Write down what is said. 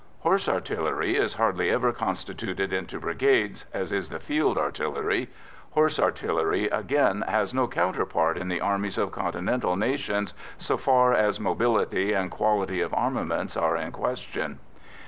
Horse artillery is hardly ever constituted into brigades, as is the field artillery. Horse artillery, again, has no counterpart in the armies of Continental nations, so far as mobility and quality of armament are in question.